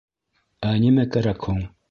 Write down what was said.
— Ә нимә кәрәк һуң?